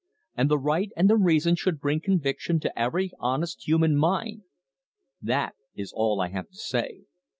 And the right and the reason should bring conviction to every honest human mind. That is all I have to say."